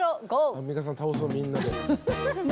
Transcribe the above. アンミカさん倒そうみんなで。